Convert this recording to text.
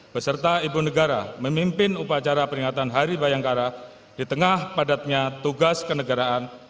beserta ibu negara memimpin upacara peringatan hari bayangkara di tengah padatnya tugas kenegaraan